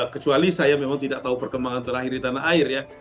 kecuali saya memang tidak tahu perkembangan terakhir di tanah air ya